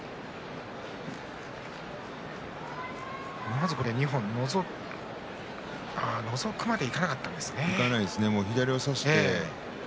まず２本のぞくまでいかなかったんですね。